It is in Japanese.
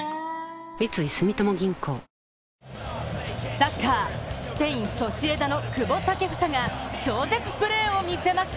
サッカー、スペイン・ソシエダの久保建英が超絶プレーを見せました。